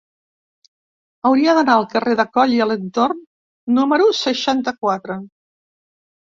Hauria d'anar al carrer de Coll i Alentorn número seixanta-quatre.